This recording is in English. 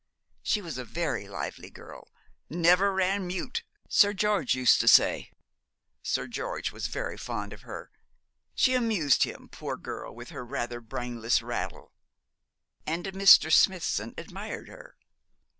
She was a very lively girl, "never ran mute," Sir George used to say. Sir George was very fond of her. She amused him, poor girl, with her rather brainless rattle.' 'And Mr. Smithson admired her?'